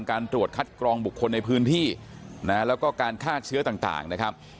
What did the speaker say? การตรวจคัดกรองบุคคลในพื้นที่นะแล้วก็การฆ่าเชื้อต่างนะครับ